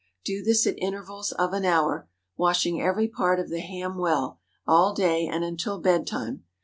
Do this at intervals of an hour, washing every part of the ham well, all day and until bed time.